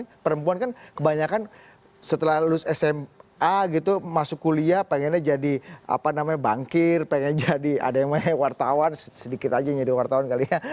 karena perempuan kan kebanyakan setelah lulus sma gitu masuk kuliah pengennya jadi bangkir pengen jadi wartawan sedikit aja jadi wartawan kali ya